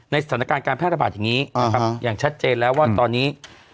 สถานการณ์การแพร่ระบาดอย่างนี้นะครับอย่างชัดเจนแล้วว่าตอนนี้